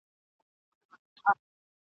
چي پیدا دی یو پر بل باندي بلوسیږي ..